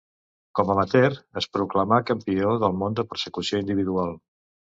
Com amateur, es proclamà campió del món en Persecució individual.